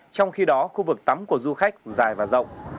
trong khi đó khu vực tắm của du khách dài và rộng